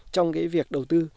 trong cái việc đầu tư